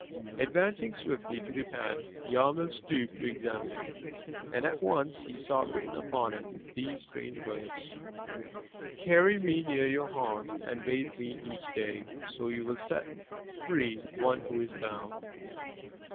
Advancing swiftly to the pan, Yarmil stooped to examine it, and at once he saw written upon it these strange words: "Carry me near your heart and bathe me each day, so you will set free one who is bound."